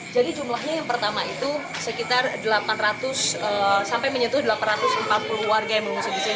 jadi jumlahnya yang pertama itu sekitar delapan ratus sampai menyetuh delapan ratus empat puluh warga yang mengusung di sini